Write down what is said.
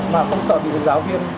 mà không sợ bị giáo viên